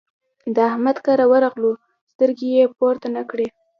د احمد کره ورغلو؛ سترګې يې پورته نه کړې.